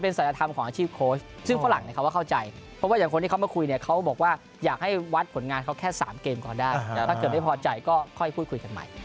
ผลงานดีบางคนก็ไม่ค่อยเห็นคุณค่า